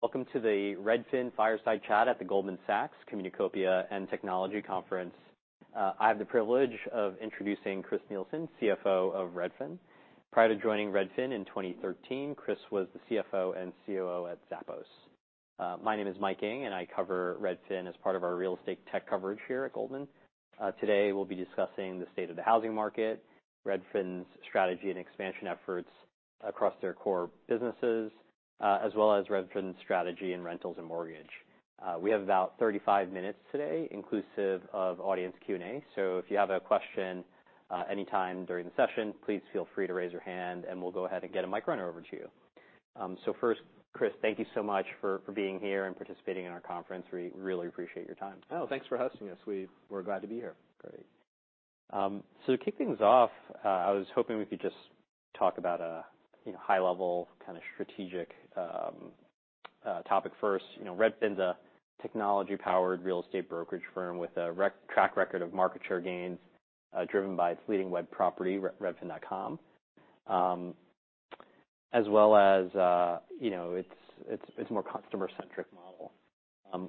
Welcome to the Redfin Fireside Chat at the Goldman Sachs Communacopia and Technology Conference. I have the privilege of introducing Chris Nielsen, CFO of Redfin. Prior to joining Redfin in 2013, Chris was the CFO and COO at Zappos. My name is Mike Ng, and I cover Redfin as part of our real estate tech coverage here at Goldman. Today, we'll be discussing the state of the housing market, Redfin's strategy and expansion efforts across their core businesses, as well as Redfin's strategy in rentals and mortgage. We have about 35 minutes today, inclusive of audience Q&A. So if you have a question, anytime during the session, please feel free to raise your hand, and we'll go ahead and get a mic runner over to you. So first, Chris, thank you so much for, for being here and participating in our conference. We really appreciate your time. Oh, thanks for hosting us. We're glad to be here. Great. So to kick things off, I was hoping we could just talk about a, you know, high level, kind of strategic topic first. You know, Redfin's a technology-powered real estate brokerage firm with a track record of market share gains, driven by its leading web property, Redfin.com. As well as, you know, its, its, more customer-centric model.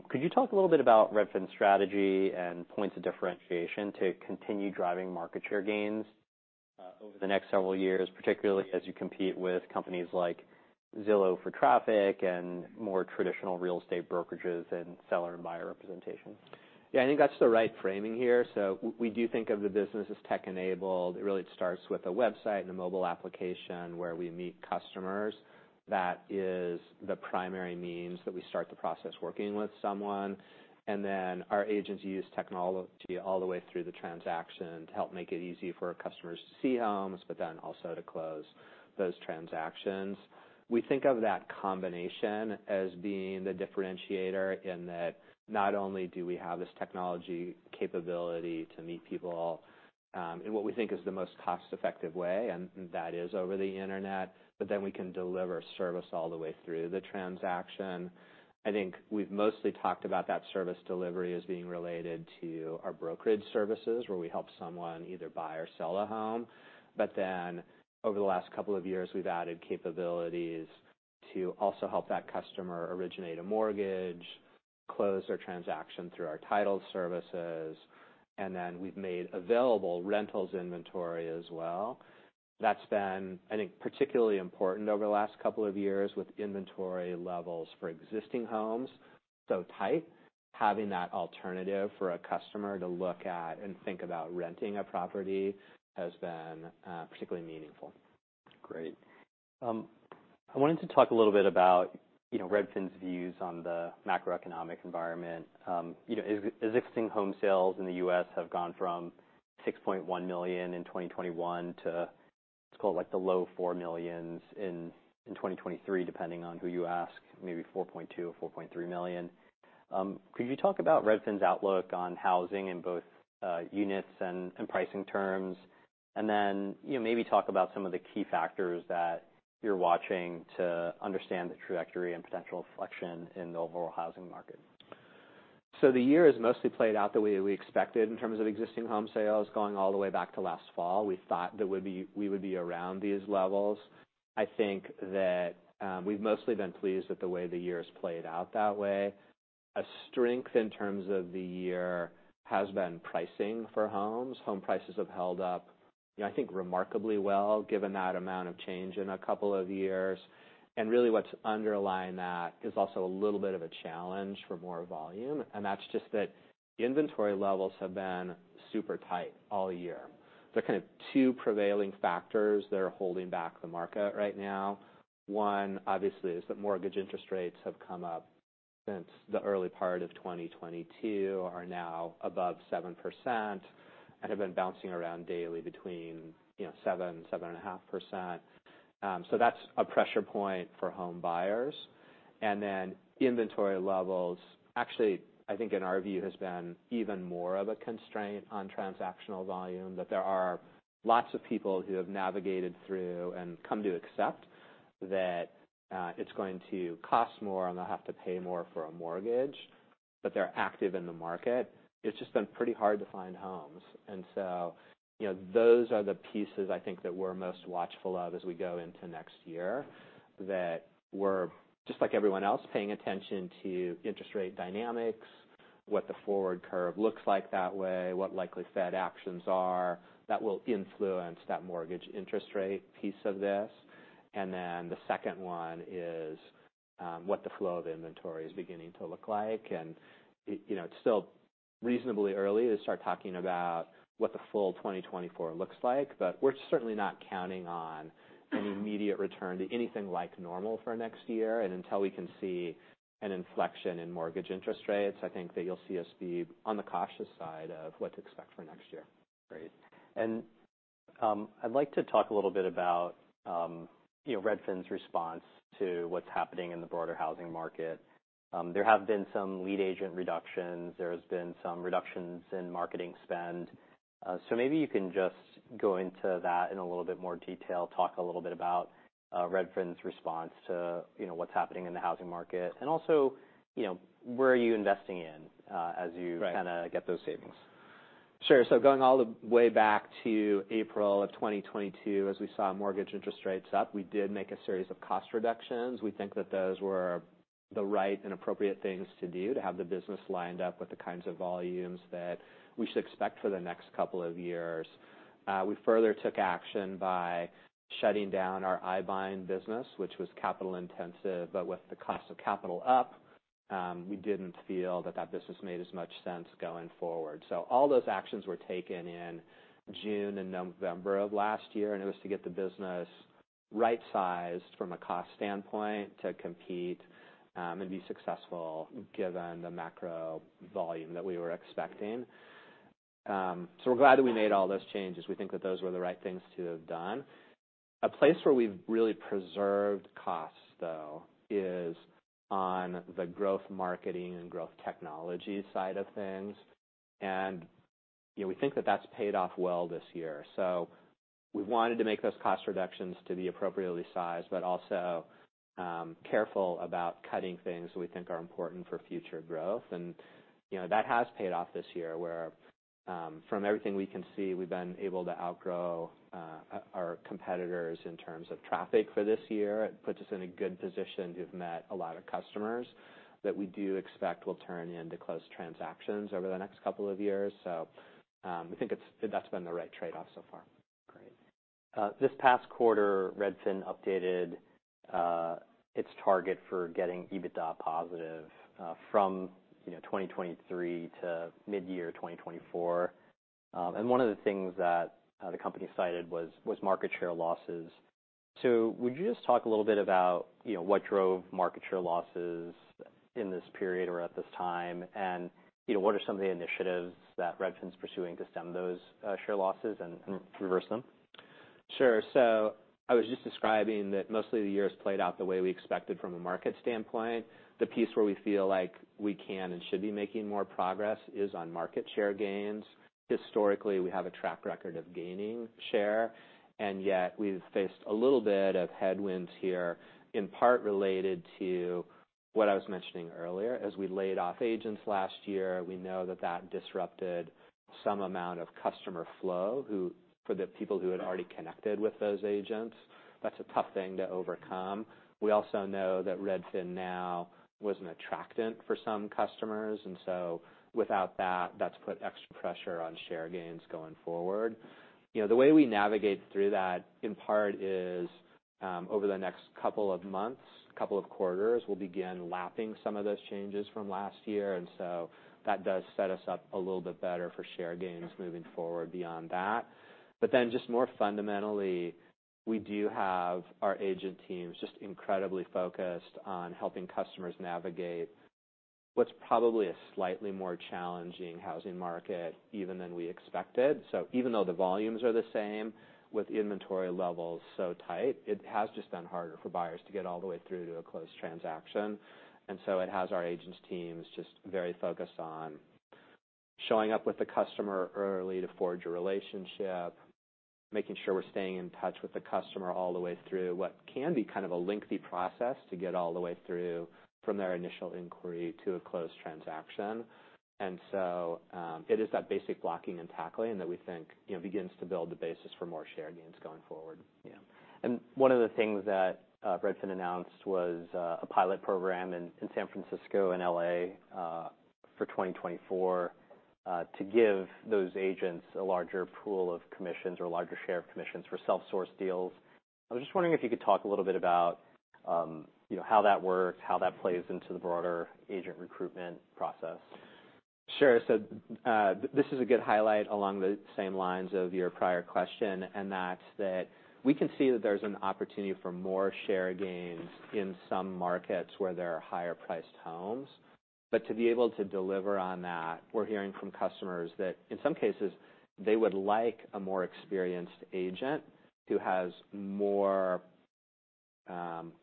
Could you talk a little bit about Redfin's strategy and points of differentiation to continue driving market share gains, over the next several years, particularly as you compete with companies like Zillow for traffic and more traditional real estate brokerages and seller and buyer representation? Yeah, I think that's the right framing here. So we do think of the business as tech-enabled. It really starts with a website and a mobile application where we meet customers. That is the primary means that we start the process working with someone, and then our agents use technology all the way through the transaction to help make it easy for our customers to see homes, but then also to close those transactions. We think of that combination as being the differentiator, in that not only do we have this technology capability to meet people, in what we think is the most cost-effective way, and that is over the internet, but then we can deliver service all the way through the transaction. I think we've mostly talked about that service delivery as being related to our brokerage services, where we help someone either buy or sell a home. But then, over the last couple of years, we've added capabilities to also help that customer originate a mortgage, close their transaction through our title services, and then we've made available rentals inventory as well. That's been, I think, particularly important over the last couple of years with inventory levels for existing homes so tight. Having that alternative for a customer to look at and think about renting a property has been, particularly meaningful. Great. I wanted to talk a little bit about, you know, Redfin's views on the macroeconomic environment. You know, as existing home sales in the U.S. have gone from 6.1 million in 2021 to, let's call it, like, the low 4 millions in 2023, depending on who you ask, maybe 4.2 or 4.3 million. Could you talk about Redfin's outlook on housing in both units and pricing terms? And then, you know, maybe talk about some of the key factors that you're watching to understand the trajectory and potential inflection in the overall housing market. So the year has mostly played out the way we expected in terms of existing home sales. Going all the way back to last fall, we thought we would be around these levels. I think that we've mostly been pleased with the way the year has played out that way. A strength in terms of the year has been pricing for homes. Home prices have held up, I think, remarkably well, given that amount of change in a couple of years. And really, what's underlying that is also a little bit of a challenge for more volume, and that's just that inventory levels have been super tight all year. There are kind of two prevailing factors that are holding back the market right now. One, obviously, is that mortgage interest rates have come up since the early part of 2022, are now above 7% and have been bouncing around daily between, you know, 7%-7.5%. So that's a pressure point for home buyers. And then inventory levels, actually, I think, in our view, has been even more of a constraint on transactional volume, that there are lots of people who have navigated through and come to accept that, it's going to cost more, and they'll have to pay more for a mortgage, but they're active in the market. It's just been pretty hard to find homes. And so, you know, those are the pieces I think that we're most watchful of as we go into next year, that we're, just like everyone else, paying attention to interest rate dynamics, what the forward curve looks like that way, what likely Fed actions are, that will influence that mortgage interest rate piece of this. And then the second one is, what the flow of inventory is beginning to look like. And, you know, it's still reasonably early to start talking about what the full 2024 looks like, but we're certainly not counting on an immediate return to anything like normal for next year. And until we can see an inflection in mortgage interest rates, I think that you'll see us be on the cautious side of what to expect for next year. Great. And, I'd like to talk a little bit about, you know, Redfin's response to what's happening in the broader housing market. There have been some lead agent reductions. There has been some reductions in marketing spend. So maybe you can just go into that in a little bit more detail. Talk a little bit about, Redfin's response to, you know, what's happening in the housing market. And also, you know, where are you investing in, Right as you kind of get those savings? Sure. So going all the way back to April 2022, as we saw mortgage interest rates up, we did make a series of cost reductions. We think that those were the right and appropriate things to do, to have the business lined up with the kinds of volumes that we should expect for the next couple of years. We further took action by shutting down our iBuying business, which was capital intensive, but with the cost of capital up, we didn't feel that that business made as much sense going forward. So all those actions were taken in June and November of last year, and it was to get the business right-sized from a cost standpoint to compete and be successful, given the macro volume that we were expecting. So we're glad that we made all those changes. We think that those were the right things to have done. A place where we've really preserved costs, though, is on the growth, marketing, and growth technology side of things, and, you know, we think that that's paid off well this year. So we wanted to make those cost reductions to be appropriately sized, but also, careful about cutting things we think are important for future growth. And, you know, that has paid off this year, where, from everything we can see, we've been able to outgrow, our competitors in terms of traffic for this year. It puts us in a good position. We've met a lot of customers that we do expect will turn into close transactions over the next couple of years. So, we think that's been the right trade-off so far. Great. This past quarter, Redfin updated its target for getting EBITDA positive from, you know, 2023 to mid-year 2024. And one of the things that the company cited was market share losses. So would you just talk a little bit about, you know, what drove market share losses in this period or at this time? And, you know, what are some of the initiatives that Redfin's pursuing to stem those share losses and reverse them? Sure. So I was just describing that mostly the year has played out the way we expected from a market standpoint. The piece where we feel like we can and should be making more progress is on market share gains. Historically, we have a track record of gaining share, and yet we've faced a little bit of headwinds here, in part related to what I was mentioning earlier. As we laid off agents last year, we know that that disrupted some amount of customer flow, for the people who had already connected with those agents. That's a tough thing to overcome. We also know that RedfinNow was an attractant for some customers, and so without that, that's put extra pressure on share gains going forward. You know, the way we navigate through that, in part, is, over the next couple of months, couple of quarters, we'll begin lapping some of those changes from last year. And so that does set us up a little bit better for share gains moving forward beyond that. But then, just more fundamentally, we do have our agent teams just incredibly focused on helping customers navigate what's probably a slightly more challenging housing market even than we expected. So even though the volumes are the same, with inventory levels so tight, it has just been harder for buyers to get all the way through to a closed transaction. And so it has our agents teams just very focused on showing up with the customer early to forge a relationship, making sure we're staying in touch with the customer all the way through what can be kind of a lengthy process, to get all the way through from their initial inquiry to a closed transaction. And so, it is that basic blocking and tackling that we think, you know, begins to build the basis for more share gains going forward. Yeah. One of the things that Redfin announced was a pilot program in San Francisco and L.A. for 2024 to give those agents a larger pool of commissions or a larger share of commissions for self-sourced deals. I was just wondering if you could talk a little bit about, you know, how that works, how that plays into the broader agent recruitment process. Sure. So, this is a good highlight along the same lines of your prior question, and that's that we can see that there's an opportunity for more share gains in some markets where there are higher-priced homes. But to be able to deliver on that, we're hearing from customers that, in some cases, they would like a more experienced agent, who has more,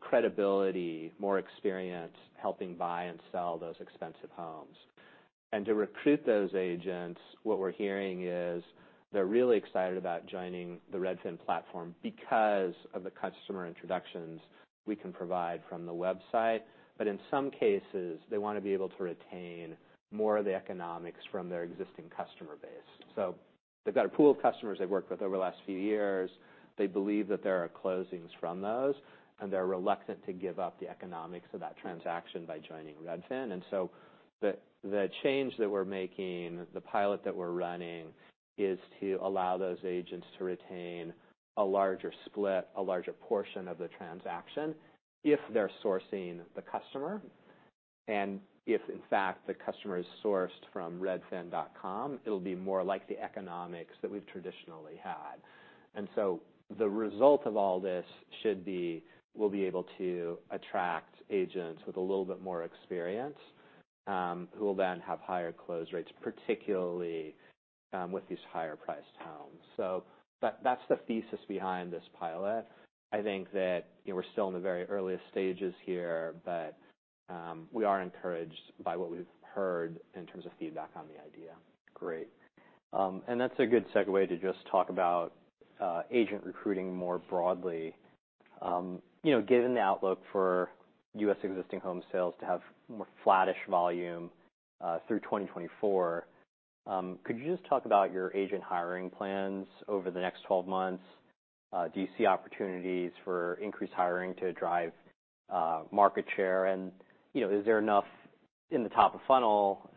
credibility, more experience helping buy and sell those expensive homes. And to recruit those agents, what we're hearing is, they're really excited about joining the Redfin platform because of the customer introductions we can provide from the website. But in some cases, they want to be able to retain more of the economics from their existing customer base. So they've got a pool of customers they've worked with over the last few years. They believe that there are closings from those, and they're reluctant to give up the economics of that transaction by joining Redfin. And so the change that we're making, the pilot that we're running, is to allow those agents to retain a larger split, a larger portion of the transaction, if they're sourcing the customer. And if, in fact, the customer is sourced from Redfin.com, it'll be more like the economics that we've traditionally had. And so the result of all this should be, we'll be able to attract agents with a little bit more experience, who will then have higher close rates, particularly, with these higher-priced homes. So that, that's the thesis behind this pilot. I think that, you know, we're still in the very earliest stages here, but, we are encouraged by what we've heard in terms of feedback on the idea. Great. And that's a good segue to just talk about agent recruiting more broadly. You know, given the outlook for U.S. existing home sales to have more flattish volume through 2024, could you just talk about your agent hiring plans over the next 12 months? Do you see opportunities for increased hiring to drive market share? And, you know, is there enough in the top-of-funnel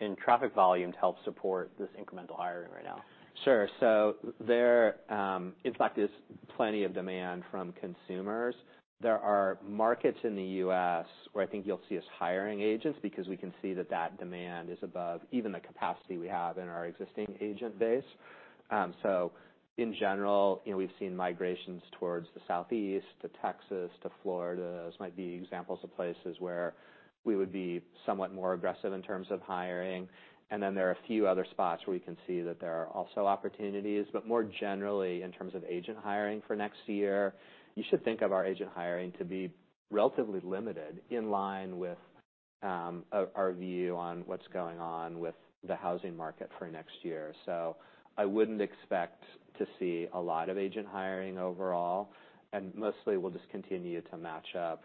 in traffic volume to help support this incremental hiring right now? Sure. So there, in fact, there's plenty of demand from consumers. There are markets in the U.S. where I think you'll see us hiring agents, because we can see that that demand is above even the capacity we have in our existing agent base. So in general, you know, we've seen migrations towards the Southeast, to Texas, to Florida. Those might be examples of places where we would be somewhat more aggressive in terms of hiring. And then there are a few other spots where we can see that there are also opportunities. But more generally, in terms of agent hiring for next year, you should think of our agent hiring to be relatively limited, in line with, our, our view on what's going on with the housing market for next year. So I wouldn't expect to see a lot of agent hiring overall, and mostly we'll just continue to match up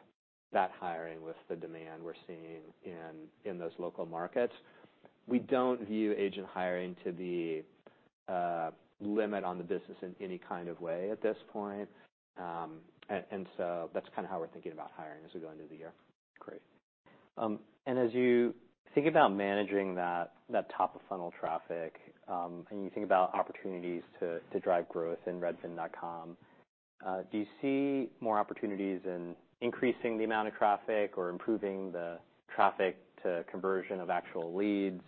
that hiring with the demand we're seeing in those local markets. We don't view agent hiring to be a limit on the business in any kind of way at this point. And so that's kind of how we're thinking about hiring as we go into the year. Great. As you think about managing that top-of-funnel traffic, and you think about opportunities to drive growth in Redfin.com, do you see more opportunities in increasing the amount of traffic or improving the traffic to conversion of actual leads?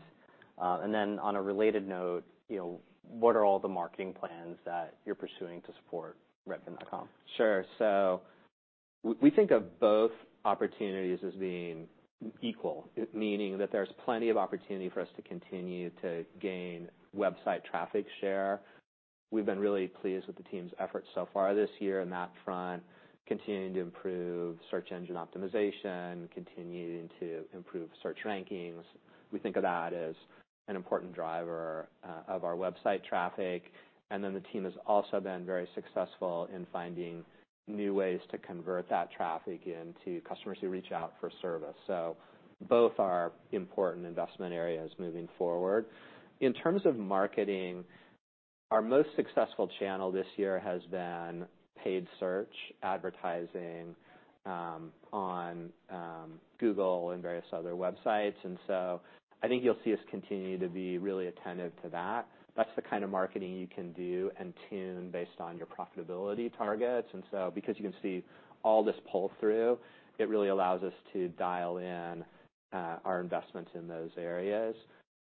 Then on a related note, you know, what are all the marketing plans that you're pursuing to support Redfin.com? Sure. So we think of both opportunities as being equal, meaning that there's plenty of opportunity for us to continue to gain website traffic share. We've been really pleased with the team's efforts so far this year on that front, continuing to improve search engine optimization, continuing to improve search rankings. We think of that as an important driver of our website traffic. And then the team has also been very successful in finding new ways to convert that traffic into customers who reach out for service. So both are important investment areas moving forward. In terms of marketing, our most successful channel this year has been paid search advertising on Google and various other websites. And so I think you'll see us continue to be really attentive to that. That's the kind of marketing you can do and tune based on your profitability targets. And so because you can see all this pull-through, it really allows us to dial in our investments in those areas.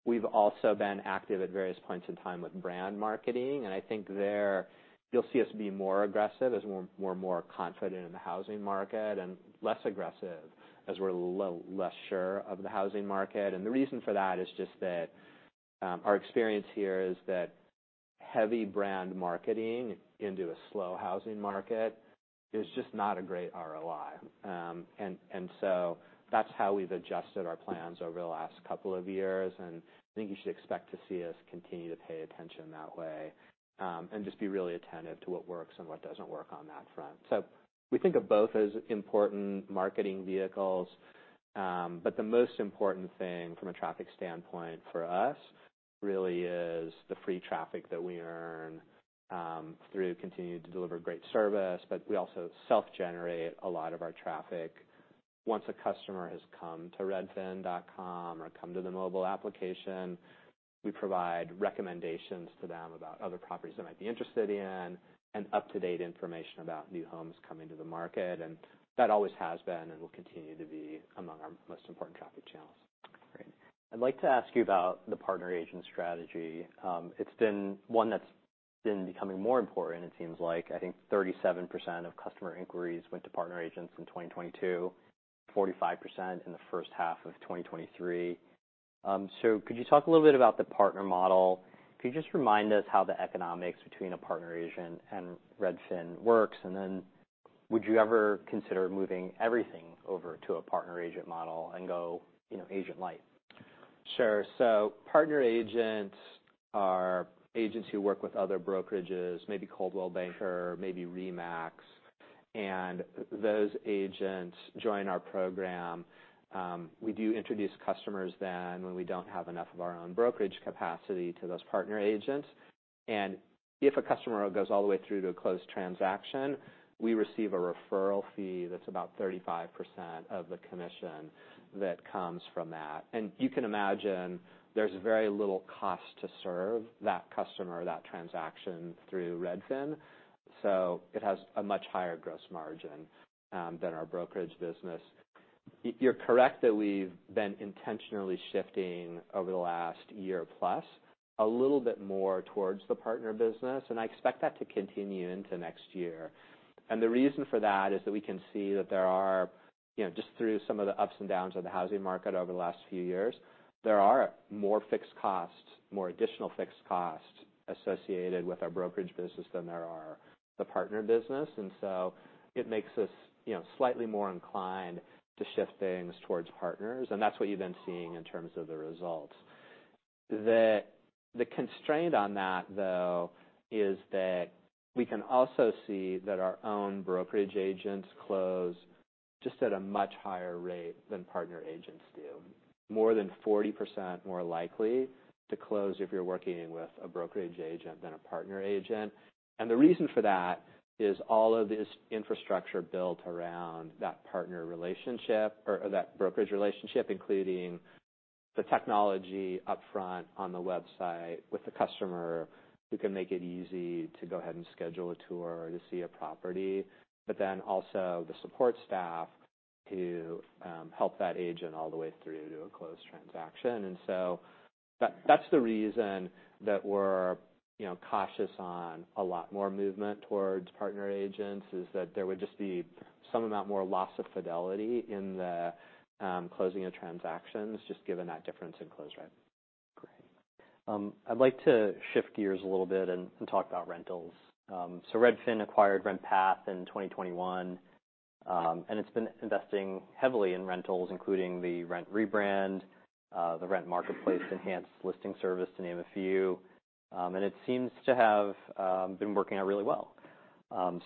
We've also been active at various points in time with brand marketing, and I think there, you'll see us be more aggressive as we're more confident in the housing market, and less aggressive as we're less sure of the housing market. And the reason for that is just that, our experience here is that heavy brand marketing into a slow housing market is just not a great ROI. And so that's how we've adjusted our plans over the last couple of years, and I think you should expect to see us continue to pay attention that way, and just be really attentive to what works and what doesn't work on that front. So we think of both as important marketing vehicles, but the most important thing from a traffic standpoint for us really is the free traffic that we earn, through continuing to deliver great service. But we also self-generate a lot of our traffic. Once a customer has come to Redfin.com or come to the mobile application, we provide recommendations to them about other properties they might be interested in and up-to-date information about new homes coming to the market. And that always has been, and will continue to be, among our most important traffic channels. Great. I'd like to ask you about the Partner Agent strategy. It's been one that's been becoming more important, it seems like. I think 37% of customer inquiries went to Partner Agents in 2022, 45% in the first half of 2023. So could you talk a little bit about the Partner model? Could you just remind us how the economics between a Partner Agent and Redfin works? And then would you ever consider moving everything over to a Partner Agent model and go, you know, agent light? Sure. So partner agents are agents who work with other brokerages, maybe Coldwell Banker, maybe RE/MAX, and those agents join our program. We do introduce customers then, when we don't have enough of our own brokerage capacity, to those partner agents. And if a customer goes all the way through to a closed transaction, we receive a referral fee that's about 35% of the commission that comes from that. And you can imagine there's very little cost to serve that customer or that transaction through Redfin, so it has a much higher gross margin than our brokerage business. You're correct that we've been intentionally shifting over the last year, plus a little bit more towards the partner business, and I expect that to continue into next year. The reason for that is that we can see that there are, you know, just through some of the ups and downs of the housing market over the last few years, there are more fixed costs, more additional fixed costs associated with our brokerage business than there are the partner business. So it makes us, you know, slightly more inclined to shift things towards partners, and that's what you've been seeing in terms of the results. The constraint on that, though, is that we can also see that our own brokerage agents close just at a much higher rate than partner agents do. More than 40% more likely to close if you're working with a brokerage agent than a partner agent. And the reason for that is all of this infrastructure built around that partner relationship or that brokerage relationship, including the technology upfront on the website with the customer, who can make it easy to go ahead and schedule a tour or to see a property. But then also the support staff to help that agent all the way through to a closed transaction. And so that's the reason that we're, you know, cautious on a lot more movement towards partner agents, is that there would just be some amount more loss of fidelity in the closing of transactions, just given that difference in close rate. Great. I'd like to shift gears a little bit and talk about rentals. So Redfin acquired RentPath in 2021, and it's been investing heavily in rentals, including the Rent rebrand, the Rent marketplace, enhanced listing service, to name a few. And it seems to have been working out really well.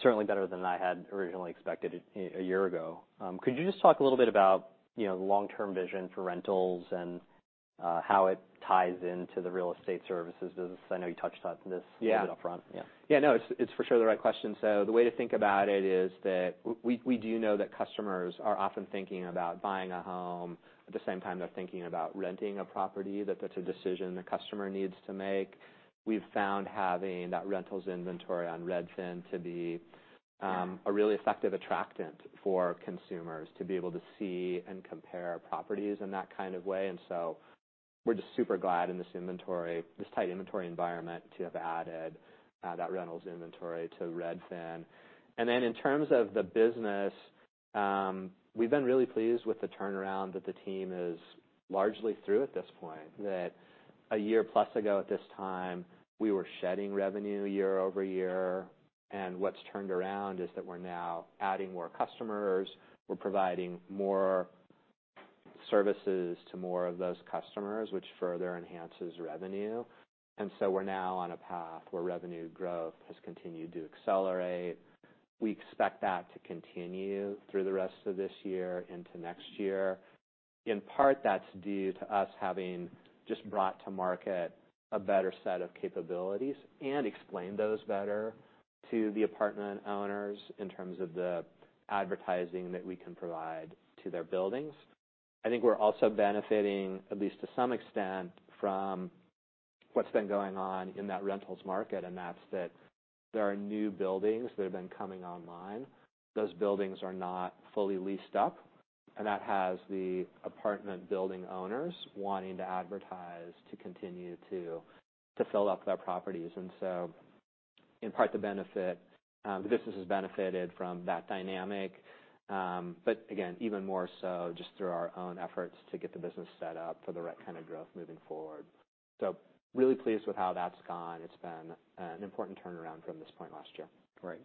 Certainly better than I had originally expected a year ago. Could you just talk a little bit about, you know, the long-term vision for rentals and how it ties into the real estate services business? I know you touched on this- Yeah. A bit upfront. Yeah. Yeah, no, it's, it's for sure the right question. So the way to think about it is that we, we do know that customers are often thinking about buying a home. At the same time, they're thinking about renting a property. That's a decision the customer needs to make. We've found having that rentals inventory on Redfin to be a really effective attractant for consumers to be able to see and compare properties in that kind of way. And so we're just super glad in this inventory, this tight inventory environment, to have added that rentals inventory to Redfin. And then in terms of the business, we've been really pleased with the turnaround that the team is largely through at this point. That, a year plus ago at this time, we were shedding revenue year-over-year, and what's turned around is that we're now adding more customers. We're providing more services to more of those customers, which further enhances revenue. So we're now on a path where revenue growth has continued to accelerate. We expect that to continue through the rest of this year into next year. In part, that's due to us having just brought to market a better set of capabilities and explained those better to the apartment owners in terms of the advertising that we can provide to their buildings. I think we're also benefiting, at least to some extent, from what's been going on in that rentals market, and that's that there are new buildings that have been coming online. Those buildings are not fully leased up, and that has the apartment building owners wanting to advertise, to continue to, to fill up their properties. And so in part, the benefit, the business has benefited from that dynamic. But again, even more so just through our own efforts to get the business set up for the right kind of growth moving forward. So really pleased with how that's gone. It's been an important turnaround from this point last year. Right.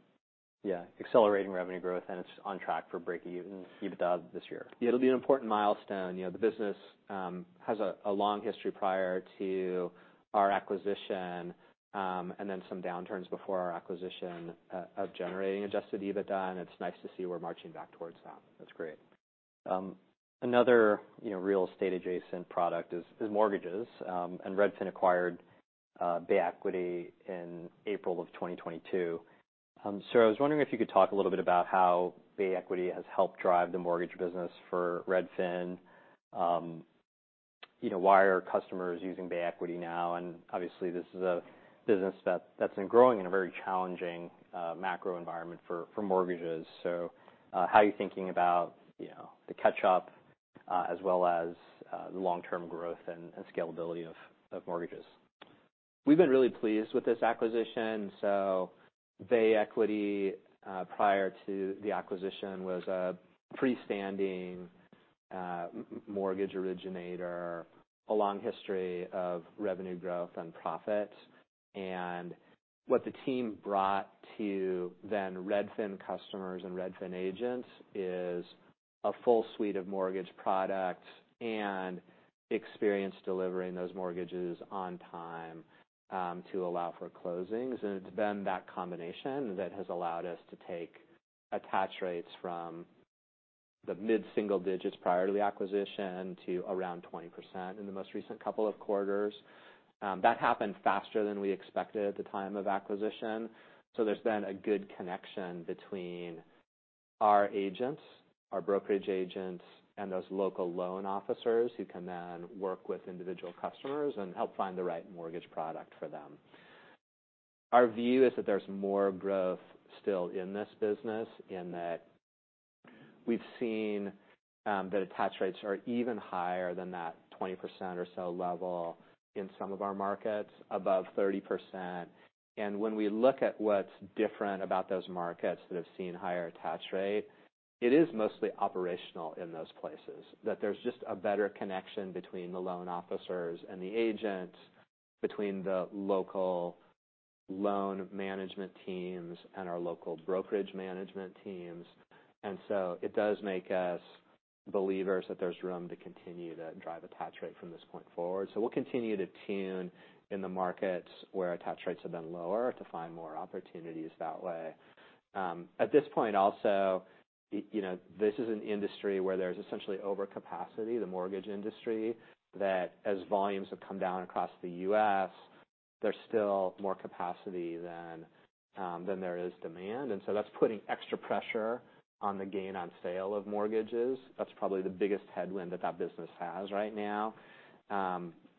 Yeah, accelerating revenue growth, and it's on track for breaking even EBITDA this year. It'll be an important milestone. You know, the business has a long history prior to our acquisition, and then some downturns before our acquisition of generating Adjusted EBITDA, and it's nice to see we're marching back towards that. That's great. Another, you know, real estate-adjacent product is mortgages, and Redfin acquired Bay Equity in April 2022. So I was wondering if you could talk a little bit about how Bay Equity has helped drive the mortgage business for Redfin. You know, why are customers using Bay Equity now? And obviously, this is a business that's been growing in a very challenging macro environment for mortgages. So, how are you thinking about, you know, the catch-up, as well as the long-term growth and scalability of mortgages? We've been really pleased with this acquisition. Bay Equity, prior to the acquisition, was a freestanding mortgage originator, a long history of revenue growth and profit. What the team brought to Redfin customers and Redfin agents is a full suite of mortgage products and experience delivering those mortgages on time to allow for closings. It's been that combination that has allowed us to take attach rates from the mid-single digits prior to the acquisition to around 20% in the most recent couple of quarters. That happened faster than we expected at the time of acquisition, so there's been a good connection between our agents, our brokerage agents, and those local loan officers, who can then work with individual customers and help find the right mortgage product for them. Our view is that there's more growth still in this business, in that we've seen that attach rates are even higher than that 20% or so level in some of our markets, above 30%. And when we look at what's different about those markets that have seen higher attach rate, it is mostly operational in those places, that there's just a better connection between the loan officers and the agent between the local loan management teams and our local brokerage management teams. And so it does make us believers that there's room to continue to drive attach rate from this point forward. So we'll continue to tune in the markets where attach rates have been lower, to find more opportunities that way. At this point, also, you know, this is an industry where there's essentially overcapacity, the mortgage industry, that as volumes have come down across the U.S., there's still more capacity than there is demand. And so that's putting extra pressure on the gain on sale of mortgages. That's probably the biggest headwind that that business has right now.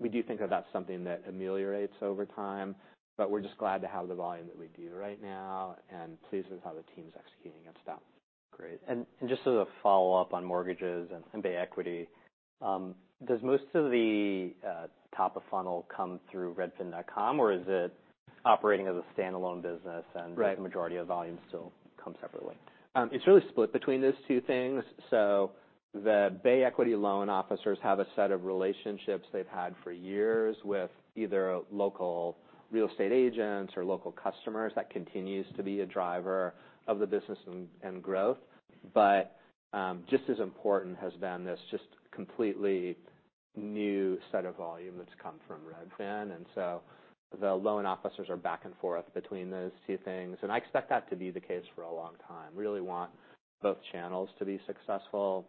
We do think that that's something that ameliorates over time, but we're just glad to have the volume that we do right now, and pleased with how the team's executing and stuff. Great. And, and just as a follow-up on mortgages and Bay Equity, does most of the top of funnel come through Redfin.com, or is it operating as a standalone business? Right. And the majority of volumes still come separately? It's really split between those two things. So the Bay Equity loan officers have a set of relationships they've had for years with either local real estate agents or local customers. That continues to be a driver of the business and growth. But just as important has been this just completely new set of volume that's come from Redfin. And so the loan officers are back and forth between those two things, and I expect that to be the case for a long time. We really want both channels to be successful,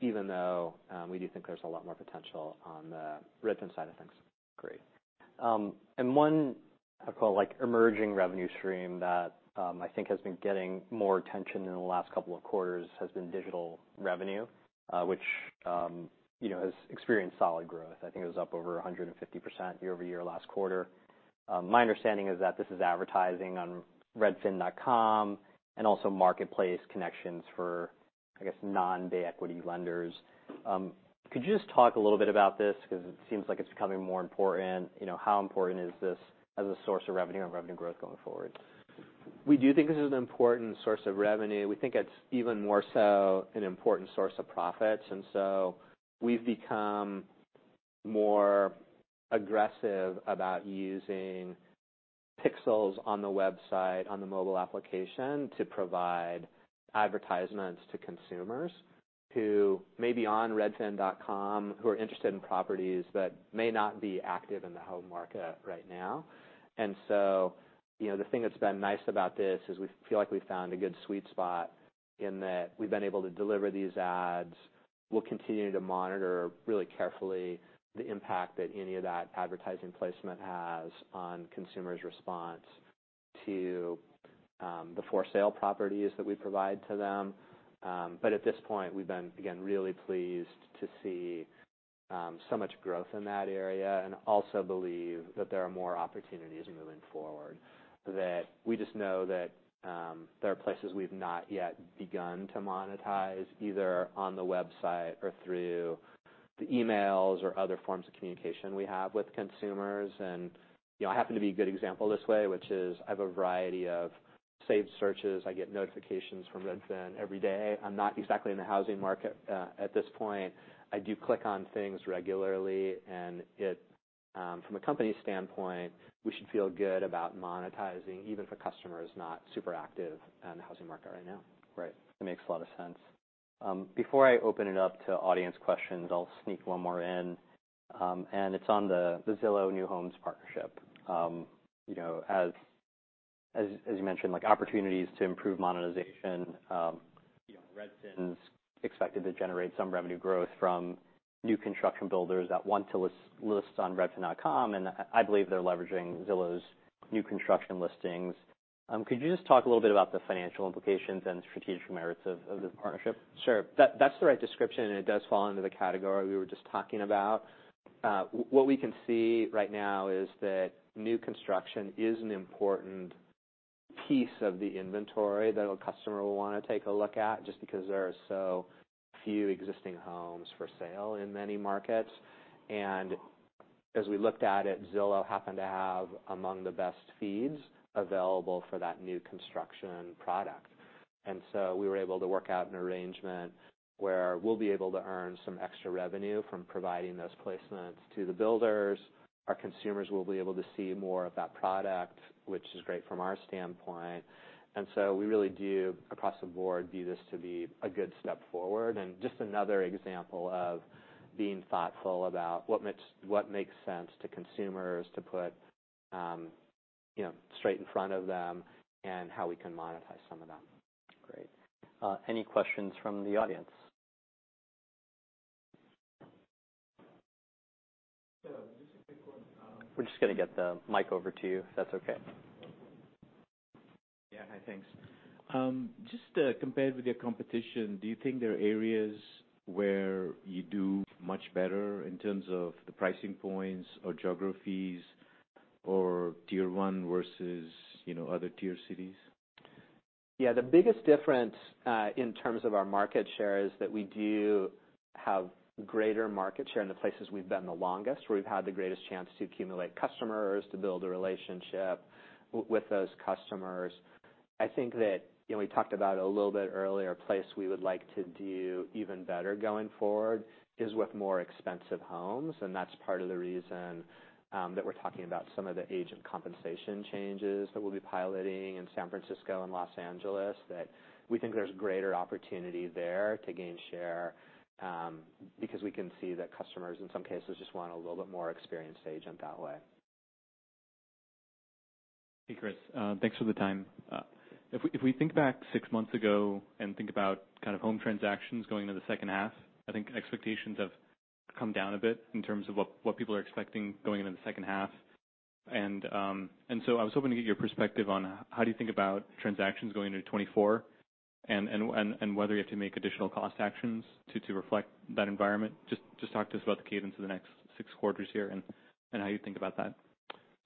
even though we do think there's a lot more potential on the Redfin side of things. Great. And one, I'd call, like, emerging revenue stream that, I think has been getting more attention in the last couple of quarters, has been digital revenue, which, you know, has experienced solid growth. I think it was up over 150% year-over-year last quarter. My understanding is that this is advertising on Redfin.com, and also marketplace connections for, I guess, non-Bay Equity lenders. Could you just talk a little bit about this? Because it seems like it's becoming more important. You know, how important is this as a source of revenue and revenue growth going forward? We do think this is an important source of revenue. We think it's even more so an important source of profits. We've become more aggressive about using pixels on the website, on the mobile application, to provide advertisements to consumers who may be on Redfin.com, who are interested in properties, but may not be active in the home market right now. You know, the thing that's been nice about this is we feel like we've found a good sweet spot in that we've been able to deliver these ads. We'll continue to monitor really carefully the impact that any of that advertising placement has on consumers' response to the for-sale properties that we provide to them. But at this point, we've been, again, really pleased to see so much growth in that area, and also believe that there are more opportunities moving forward. That we just know that, there are places we've not yet begun to monetize, either on the website or through the emails or other forms of communication we have with consumers. And, you know, I happen to be a good example this way, which is I have a variety of saved searches. I get notifications from Redfin every day. I'm not exactly in the housing market, at this point. I do click on things regularly, and it, from a company standpoint, we should feel good about monetizing, even if a customer is not super active in the housing market right now. Right. That makes a lot of sense. Before I open it up to audience questions, I'll sneak one more in, and it's on the Zillow new construction partnership. You know, as you mentioned, like, opportunities to improve monetization, you know, Redfin's expected to generate some revenue growth from new construction builders that want to list on Redfin.com, and I believe they're leveraging Zillow's new construction listings. Could you just talk a little bit about the financial implications and strategic merits of this partnership? Sure. That, that's the right description, and it does fall into the category we were just talking about. What we can see right now is that new construction is an important piece of the inventory that a customer will wanna take a look at, just because there are so few existing homes for sale in many markets. And as we looked at it, Zillow happened to have among the best feeds available for that new construction product. And so we were able to work out an arrangement where we'll be able to earn some extra revenue from providing those placements to the builders. Our consumers will be able to see more of that product, which is great from our standpoint. So we really do, across the board, view this to be a good step forward, and just another example of being thoughtful about what makes, what makes sense to consumers to put, you know, straight in front of them, and how we can monetize some of that. Great. Any questions from the audience? Yeah, just a quick one, We're just gonna get the mic over to you, if that's okay. Yeah. Hi, thanks. Just, compared with your competition, do you think there are areas where you do much better in terms of the pricing points or geographies or Tier one versus, you know, other tier cities? Yeah. The biggest difference in terms of our market share is that we do have greater market share in the places we've been the longest, where we've had the greatest chance to accumulate customers, to build a relationship with those customers. I think that, you know, we talked about it a little bit earlier, a place we would like to do even better going forward is with more expensive homes, and that's part of the reason that we're talking about some of the agent compensation changes that we'll be piloting in San Francisco and Los Angeles. That we think there's greater opportunity there to gain share, because we can see that customers, in some cases, just want a little bit more experienced agent that way. Hey, Chris, thanks for the time. If we think back six months ago and think about kind of home transactions going into the second half, I think expectations have come down a bit in terms of what people are expecting going into the second half. So I was hoping to get your perspective on how do you think about transactions going into 2024, and whether you have to make additional cost actions to reflect that environment. Just talk to us about the cadence of the next six quarters here and how you think about that.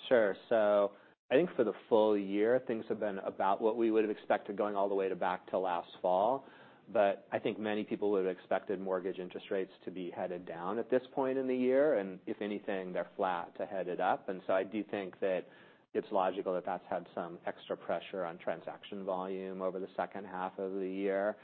Sure. So I think for the full year, things have been about what we would've expected going all the way to back to last fall. But I think many people would've expected mortgage interest rates to be headed down at this point in the year, and if anything, they're flat to headed up. And so I do think that it's logical that that's had some extra pressure on transaction volume over the second half of the year.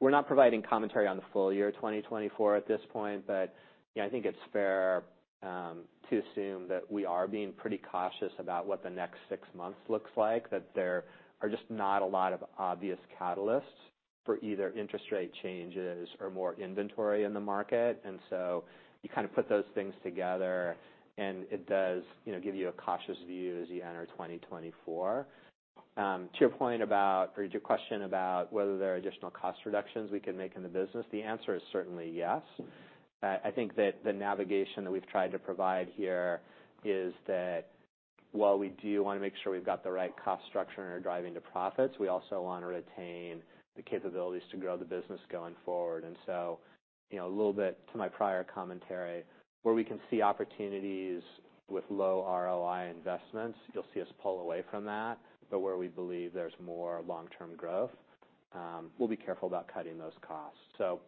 We're not providing commentary on the full year 2024 at this point, but, you know, I think it's fair to assume that we are being pretty cautious about what the next six months looks like, that there are just not a lot of obvious catalysts for either interest rate changes or more inventory in the market. And so you kind of put those things together, and it does, you know, give you a cautious view as you enter 2024. To your point about, or your question about whether there are additional cost reductions we can make in the business, the answer is certainly yes. I think that the navigation that we've tried to provide here is that while we do want to make sure we've got the right cost structure and are driving to profits, we also want to retain the capabilities to grow the business going forward. And so, you know, a little bit to my prior commentary, where we can see opportunities with low ROI investments, you'll see us pull away from that, but where we believe there's more long-term growth, we'll be careful about cutting those costs. So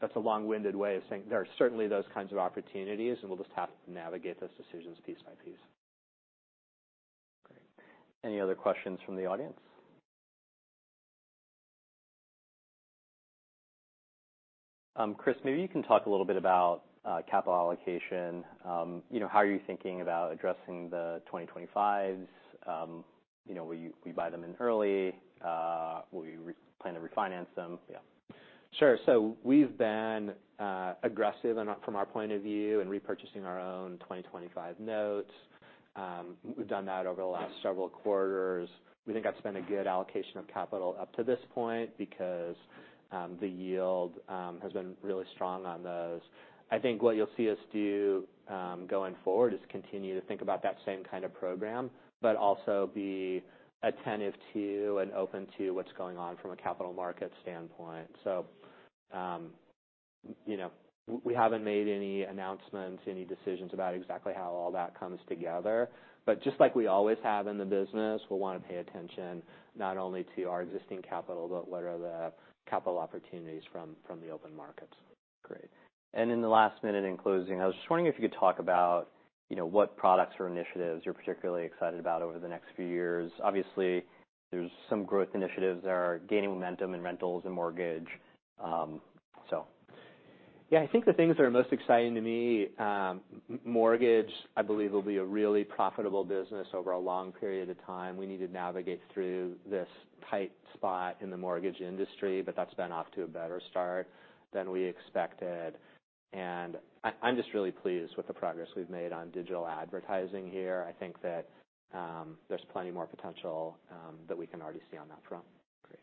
that's a long-winded way of saying there are certainly those kinds of opportunities, and we'll just have to navigate those decisions piece by piece. Great. Any other questions from the audience? Chris, maybe you can talk a little bit about, you know, capital allocation. You know, how are you thinking about addressing the 2025s? You know, will you will you buy them in early? Will you plan to refinance them? Yeah. Sure. So we've been aggressive from our point of view in repurchasing our own 2025 notes. We've done that over the last several quarters. We think that's been a good allocation of capital up to this point because the yield has been really strong on those. I think what you'll see us do going forward is continue to think about that same kind of program, but also be attentive to and open to what's going on from a capital market standpoint. So you know, we haven't made any announcements, any decisions about exactly how all that comes together, but just like we always have in the business, we'll want to pay attention, not only to our existing capital, but what are the capital opportunities from the open markets. Great. In the last minute, in closing, I was just wondering if you could talk about, you know, what products or initiatives you're particularly excited about over the next few years. Obviously, there's some growth initiatives that are gaining momentum in rentals and mortgage, so. Yeah, I think the things that are most exciting to me, mortgage, I believe, will be a really profitable business over a long period of time. We need to navigate through this tight spot in the mortgage industry, but that's been off to a better start than we expected. I, I'm just really pleased with the progress we've made on digital advertising here. I think that, there's plenty more potential, that we can already see on that front. Great.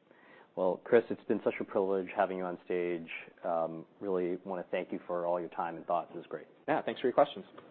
Well, Chris, it's been such a privilege having you on stage. Really want to thank you for all your time and thoughts. This is great. Yeah, thanks for your questions.